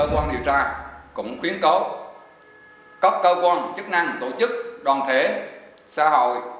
cơ quan điều tra cũng khuyến cố có cơ quan chức năng tổ chức đoàn thể xã hội